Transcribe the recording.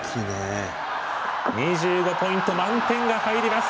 ２５ポイント満点が入ります。